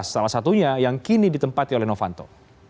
salah satunya yang kini ditempati oleh novanto